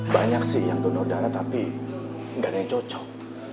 banyak sih yang donor darah tapi nggak ada yang cocok